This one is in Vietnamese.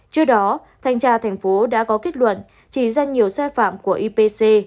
trước đó thanh tra thành phố đã có kết luận chỉ ra nhiều sai phạm của ipc